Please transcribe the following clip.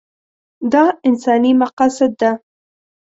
دا انساني مقاصد ده.